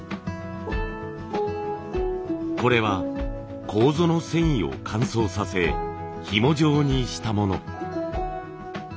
これは楮の繊維を乾燥させひも状にしたもの。